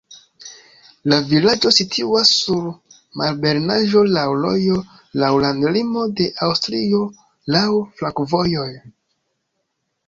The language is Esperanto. La vilaĝo situas sur malebenaĵo, laŭ rojo, laŭ landlimo de Aŭstrio, laŭ flankovojoj.